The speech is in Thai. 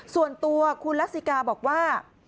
ส่วนตัวคุณลักษิกาบอกว่า